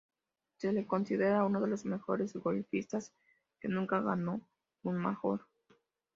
Se le considera uno de los mejores golfistas que nunca ganó un major.